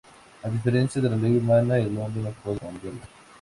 A diferencia de la ley humana, el hombre no puede cambiarla.